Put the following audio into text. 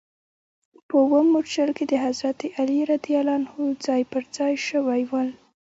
په اووم مورچل کې د حضرت علي ځاې پر ځا ې شوي ول.